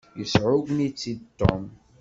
Yesεuggen-itt-id Tom.